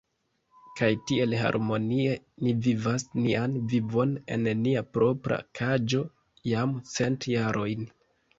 Kaj tiel harmonie ni vivas nian vivon en nia propra kaĝo jam cent jarojn.